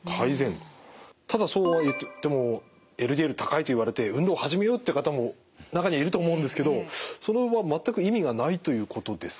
ただそうはいってもＬＤＬ高いと言われて運動始めようっていう方も中にはいると思うんですけどそれは全く意味がないということですか？